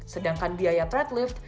sedangkan biaya thread lift